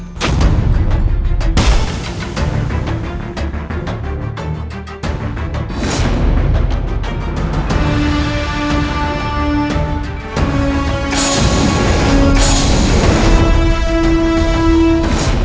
kau kian santan